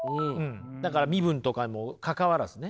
だから身分とかもかかわらずね。